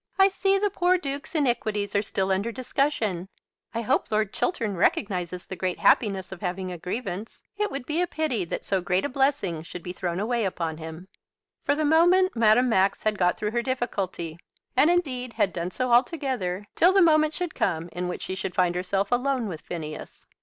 "I see the poor Duke's iniquities are still under discussion. I hope Lord Chiltern recognises the great happiness of having a grievance. It would be a pity that so great a blessing should be thrown away upon him." For the moment Madame Max had got through her difficulty, and, indeed, had done so altogether till the moment should come in which she should find herself alone with Phineas.